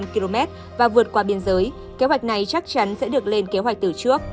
một trăm tám mươi hai trăm linh km và vượt qua biên giới kế hoạch này chắc chắn sẽ được lên kế hoạch từ trước